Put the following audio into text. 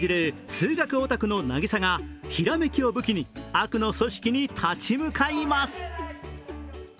数学オタクの渚がひらめきを武器に、悪の組織に立ち向かいます。